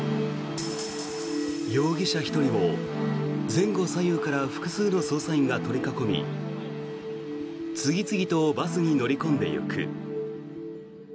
容疑者１人を、前後左右から複数の捜査員が取り囲み次々とバスに乗り込んでいく。